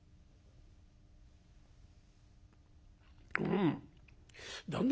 「うん。